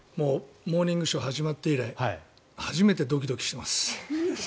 「モーニングショー」始まって以来初めてドキドキしてます。